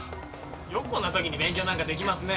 よくこんなときに勉強なんかできますね。